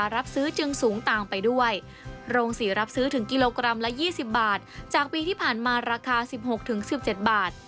รับซื้อถึงกิโลกรัมละ๒๐บาทจากปีที่ผ่านมาราคา๑๖๑๗บาท